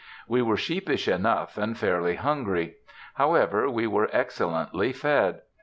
We were sheepish enough, and fairly hungry. However, we were excellently fed.